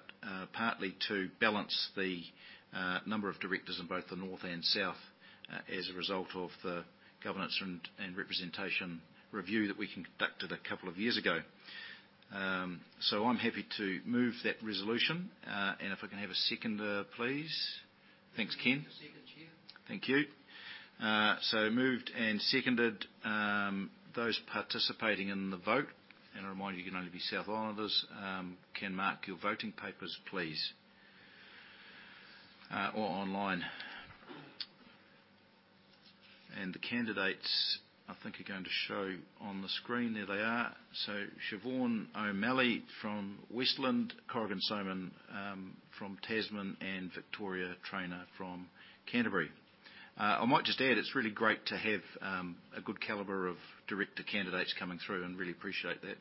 partly to balance the number of directors in both the North and South as a result of the governance and representation review that we conducted a couple of years ago. I'm happy to move that resolution, and if I can have a seconder, please. Thanks, Ken. I second you. Thank you. Moved and seconded. Those participating in the vote, and I remind you, can only be South Islanders, can mark your voting papers, please. Or online. The candidates, I think, are going to show on the screen. There they are. Siobhan O'Malley from Westland, Corrigan Sowman from Tasman, and Victoria Trayner from Canterbury. I might just add, it's really great to have a good caliber of director candidates coming through and really appreciate that.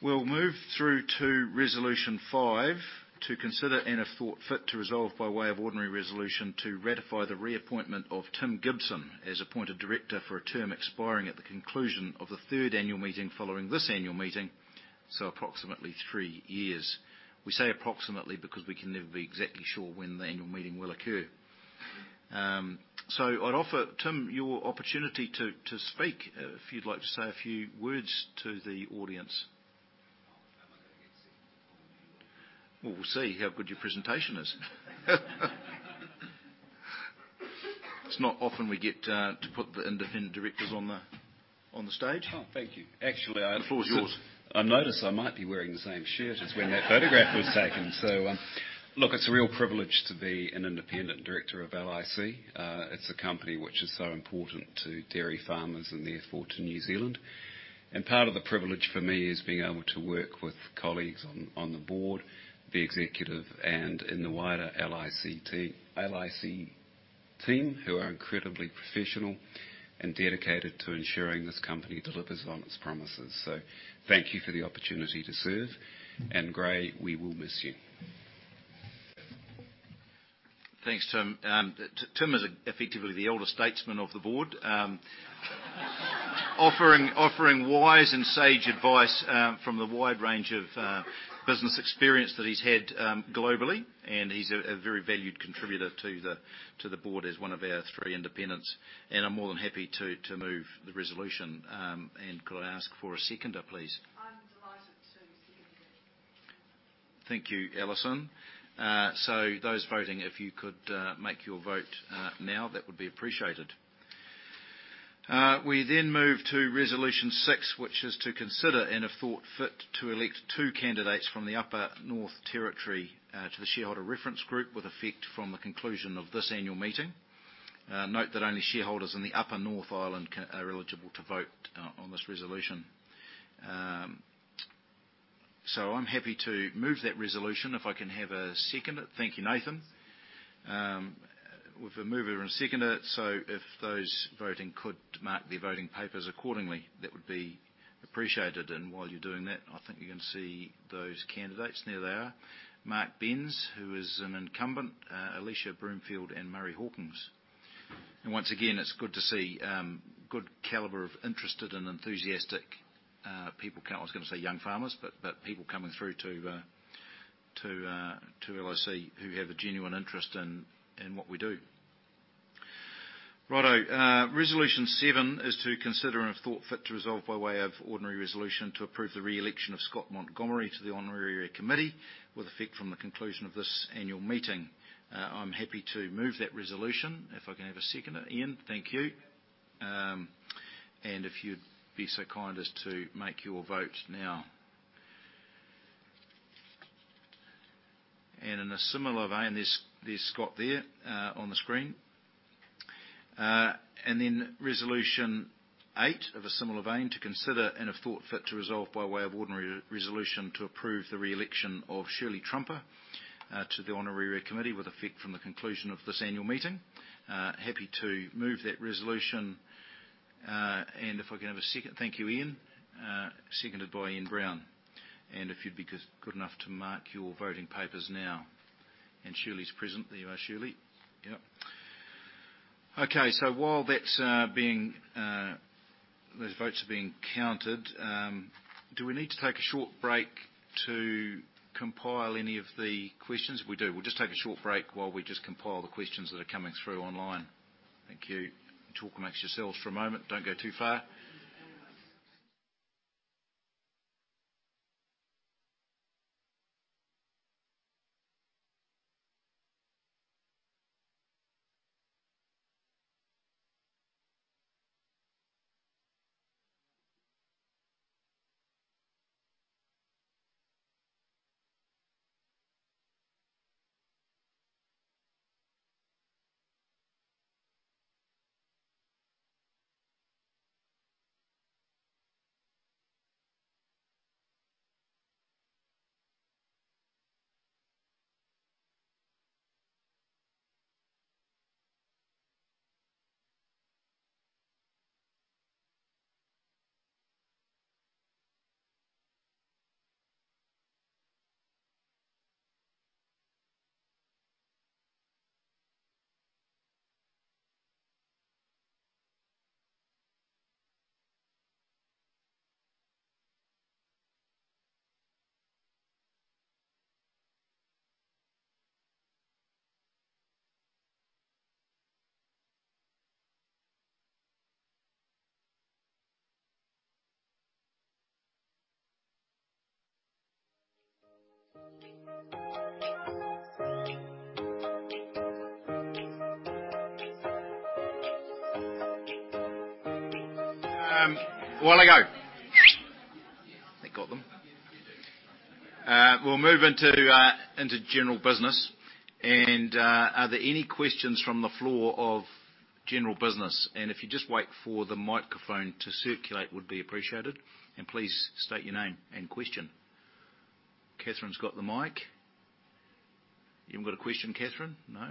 We'll move through to resolution five. To consider and, if thought fit, to resolve by way of ordinary resolution to ratify the reappointment of Tim Gibson as appointed director for a term expiring at the conclusion of the third annual meeting following this annual meeting, so approximately three years. We say approximately because we can never be exactly sure when the annual meeting will occur. I'd offer, Tim, your opportunity to speak, if you'd like to say a few words to the audience. How am I gonna get seen on video? Well, we'll see how good your presentation is. It's not often we get to put the independent directors on the stage. Oh, thank you. Actually, The floor is yours. I notice I might be wearing the same shirt as when that photograph was taken. Look, it's a real privilege to be an independent director of LIC. It's a company which is so important to dairy farmers and therefore to New Zealand. Part of the privilege for me is being able to work with colleagues on the board, the executive, and in the wider LIC team who are incredibly professional and dedicated to ensuring this company delivers on its promises. Thank you for the opportunity to serve, and Gray, we will miss you. Thanks, Tim. Tim is effectively the elder statesman of the board, offering wise and sage advice from the wide range of business experience that he's had globally. He's a very valued contributor to the board as one of our three independents. I'm more than happy to move the resolution. Could I ask for a seconder, please? I'm delighted to second it. Thank you, Alison. So those voting, if you could make your vote now, that would be appreciated. We then move to resolution six, which is to consider, and have thought fit to elect two candidates from the Upper North Island to the Shareholder Reference Group with effect from the conclusion of this annual meeting. Note that only shareholders in the Upper North Island are eligible to vote on this resolution. So I'm happy to move that resolution. If I can have a seconder. Thank you, Nathan. With a mover and seconder, so if those voting could mark their voting papers accordingly, that would be appreciated. While you're doing that, I think you can see those candidates. There they are. Mark Benz, who is an incumbent, Alicia Broomfield, and Murray Gow. Once again, it's good to see good caliber of interested and enthusiastic people come. I was gonna say young farmers, but people coming through to LIC who have a genuine interest in what we do. Righto, resolution seven is to consider and have thought fit to resolve by way of ordinary resolution to approve the re-election of Scott Montgomery to the Honoraria Committee with effect from the conclusion of this annual meeting. I'm happy to move that resolution. If I can have a seconder. Ian, thank you. And if you'd be so kind as to make your vote now. In a similar vein, there's Scott there on the screen. Resolution eight of a similar vein, to consider and if thought fit to resolve by way of ordinary resolution to approve the re-election of Shirley Trumper to the Honoraria Committee with effect from the conclusion of this annual meeting. Happy to move that resolution. If I can have a second. Thank you, Ian. Seconded by Ian Brown. If you'd be good enough to mark your voting papers now. Shirley's present. There you are, Shirley. Yep. Okay. While that's being, those votes are being counted, do we need to take a short break to compile any of the questions? We do. We'll just take a short break while we just compile the questions that are coming through online. Thank you. Talk amongst yourselves for a moment. Don't go too far. While I go, that got them. We'll move into general business. Are there any questions from the floor of general business? If you just wait for the microphone to circulate would be appreciated. Please state your name and question. Catherine's got the mic. You haven't got a question, Catherine? No?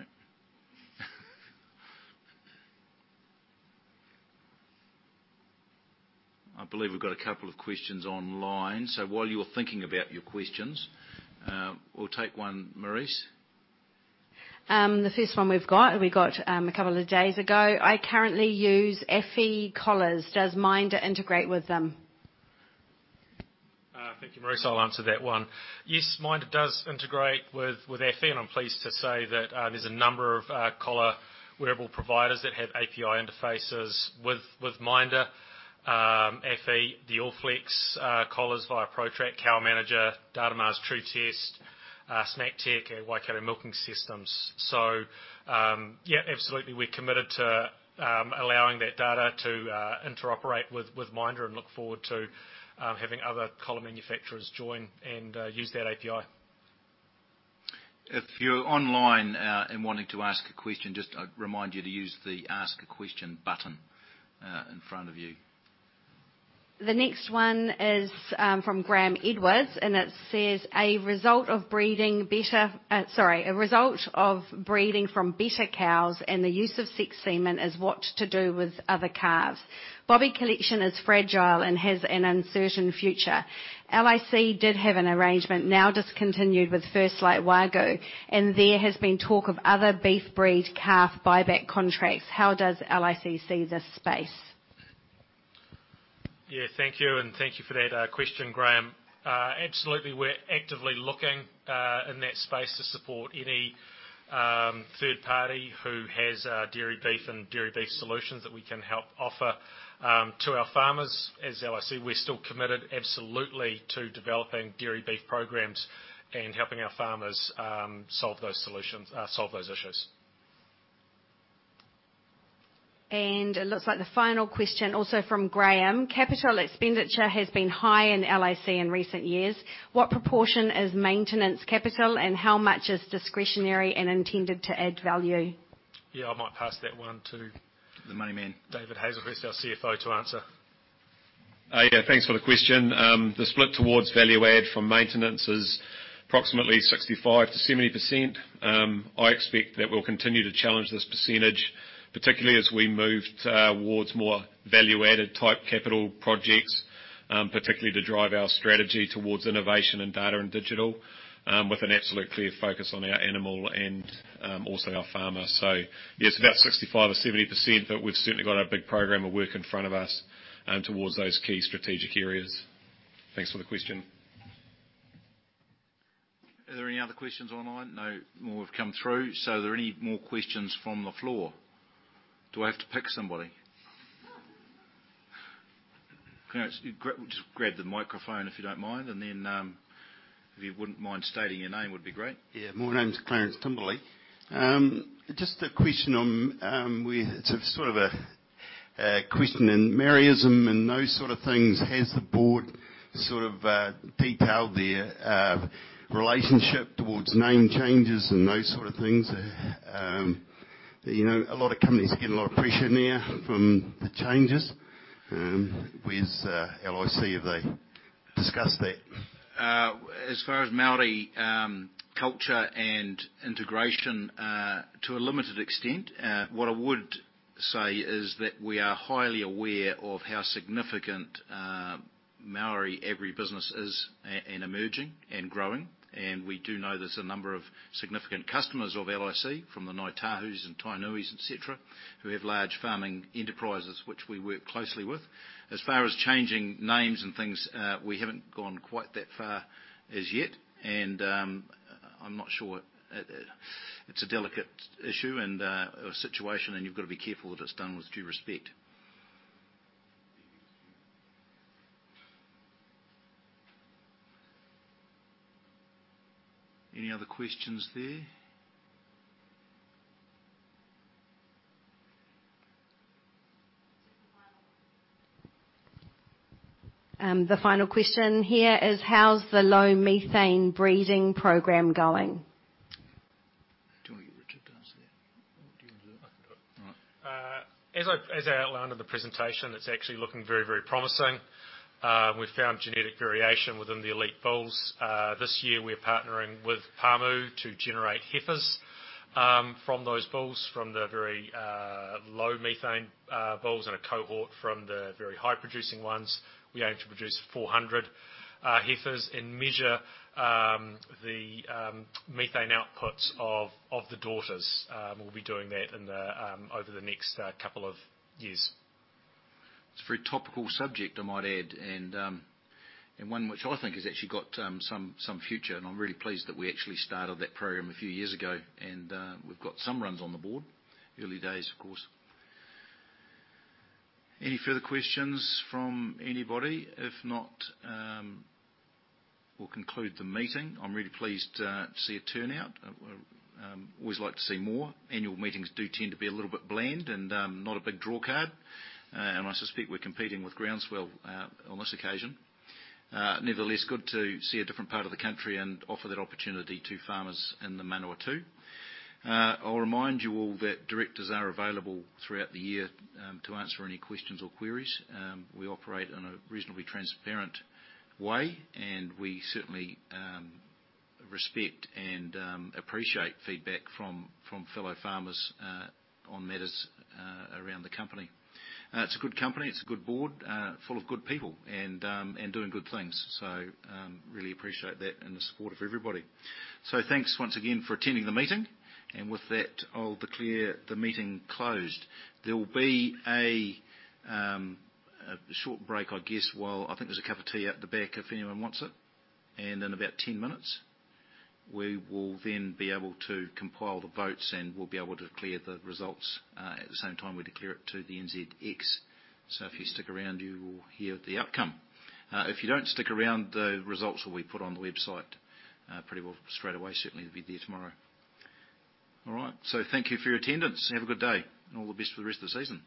I believe we've got a couple of questions online. While you're thinking about your questions, we'll take one. Maurice? The first one we've got a couple of days ago. "I currently use AfiCollar collars. Does MINDA integrate with them? Thank you, Maurice. I'll answer that one. Yes, MINDA does integrate with Afi, and I'm pleased to say that there's a number of collar wearable providers that have API interfaces with MINDA, Afi, the Allflex collars via Protrack, CowManager, Datamars Tru-Test, Snaptech, and Waikato Milking Systems. Yeah, absolutely, we're committed to allowing that data to interoperate with MINDA and look forward to having other collar manufacturers join and use that API. If you're online and wanting to ask a question, just I remind you to use the Ask a Question button in front of you. The next one is from Graeme Edwards, and it says, "A result of breeding from better cows and the use of sexed semen is what to do with other calves. Bobby calf collection is fragile and has an uncertain future. LIC did have an arrangement now discontinued with First Light, and there has been talk of other beef breed calf buyback contracts. How does LIC see this space? Yeah, thank you, and thank you for that question, Graham. Absolutely, we're actively looking in that space to support any third party who has dairy beef solutions that we can help offer to our farmers. As LIC, we're still committed absolutely to developing dairy-beef programs and helping our farmers solve those issues. It looks like the final question also from Graeme: "Capital expenditure has been high in LIC in recent years. What proportion is maintenance capital, and how much is discretionary and intended to add value? Yeah, I might pass that one to. The money man David Hazlehurst, our CFO, to answer. Yeah, thanks for the question. The split towards value add from maintenance is approximately 65%-70%. I expect that we'll continue to challenge this percentage, particularly as we move towards more value-added type capital projects, particularly to drive our strategy towards innovation and data and digital, with an absolute clear focus on our animal and also our farmers. Yeah, it's about 65% or 70%, but we've certainly got a big program of work in front of us, towards those key strategic areas. Thanks for the question. Are there any other questions online? No more have come through. Are there any more questions from the floor? Do I have to pick somebody? Clarence, just grab the microphone if you don't mind, and then, if you wouldn't mind stating your name would be great. Yeah. My name's Clarence Timberly. Just a question on. It's a sort of question in Māoridom and those sort of things. Has the board sort of detailed their relationship towards name changes and those sort of things? You know, a lot of companies are getting a lot of pressure now from the changes. Where's LIC? Have they discussed that? As far as Māori culture and integration to a limited extent. What I would say is that we are highly aware of how significant Māori agri business is and emerging and growing. We do know there's a number of significant customers of LIC from the Ngāi Tahu and Tainui, et cetera, who have large farming enterprises, which we work closely with. As far as changing names and things, we haven't gone quite that far as yet. I'm not sure it's a delicate issue or situation, and you've got to be careful that it's done with due respect. Any other questions there? The final question here is: How's the low methane breeding program going? Do you want me to pass that? Do you want to do it? All right. As I outlined in the presentation, it's actually looking very, very promising. We found genetic variation within the elite bulls. This year we're partnering with Pāmu to generate heifers from those bulls, from the very low methane bulls and a cohort from the very high-producing ones. We aim to produce 400 heifers and measure the methane outputs of the daughters. We'll be doing that over the next couple of years. It's a very topical subject, I might add, and one which I think has actually got some future, and I'm really pleased that we actually started that program a few years ago. We've got some runs on the board. Early days, of course. Any further questions from anybody? If not, we'll conclude the meeting. I'm really pleased to see a turnout. Always like to see more. Annual meetings do tend to be a little bit bland and not a big draw card. I suspect we're competing with Groundswell on this occasion. Nevertheless, good to see a different part of the country and offer that opportunity to farmers in the Manawatū. I'll remind you all that directors are available throughout the year to answer any questions or queries. We operate in a reasonably transparent way, and we certainly respect and appreciate feedback from fellow farmers on matters around the company. It's a good company. It's a good board full of good people and doing good things. Really appreciate that and the support of everybody. Thanks once again for attending the meeting, and with that, I'll declare the meeting closed. There will be a short break, I guess, while I think there's a cup of tea out the back if anyone wants it. In about 10 minutes, we will then be able to compile the votes, and we'll be able to declare the results. At the same time, we declare it to the NZX. If you stick around, you will hear the outcome. If you don't stick around, the results will be put on the website, pretty well straight away. Certainly, it'll be there tomorrow. All right. Thank you for your attendance. Have a good day. All the best for the rest of the season.